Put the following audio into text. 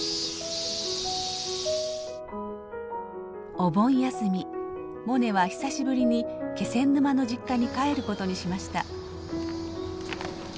お盆休みモネは久しぶりに気仙沼の実家に帰ることにしました。